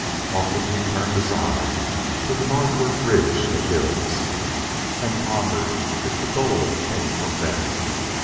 Often he turned his eyes to the northward ridge of hills, and pondered if the gold came from them.